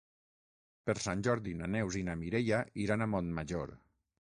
Per Sant Jordi na Neus i na Mireia iran a Montmajor.